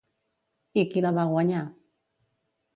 I qui la va guanyar?